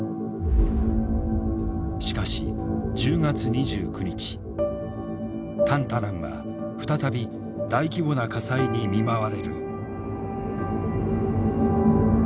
しかし１０月２９日タンタランは再び大規模な火災に見舞われる。